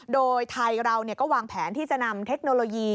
โดยไทยเราก็วางแผนที่จะนำเทคโนโลยี